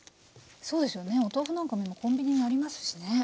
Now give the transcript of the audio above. そうですよねお豆腐なんかも今コンビニにありますしね。